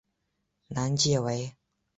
南界为。